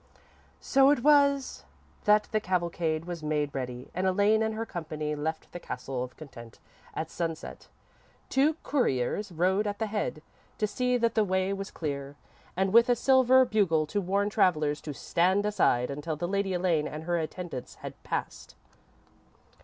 "_ _So it was that the cavalcade was made ready and Elaine and her company left the Castle of Content at sunset. Two couriers rode at the head, to see that the way was clear, and with a silver bugle to warn travellers to stand aside until the Lady Elaine and her attendants had passed.